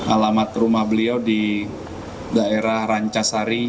alamat rumah beliau di daerah rancasari